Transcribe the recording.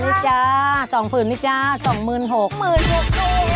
นี่จ้า๒ผืนนี่จ้า๒๖๐๐๐บาท